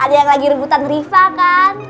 ada yang lagi rebutan riva kan